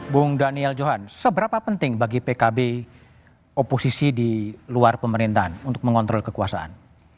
bung daniel johan seberapa penting bagi pkb oposisi di luar pemerintahan untuk mengontrol kekuasaan